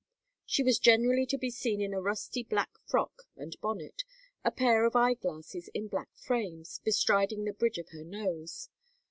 She was generally to be seen in a rusty black frock and bonnet, a pair of eye glasses in black frames bestriding the bridge of her nose.